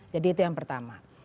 jadi itu yang pertama